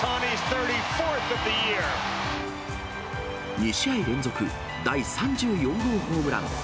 ２試合連続、第３４号ホームラン。